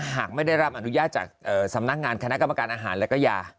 หากไม่ได้รับอนุญาตจากสำนักงานคณะกรรมการอาหารและก็ยา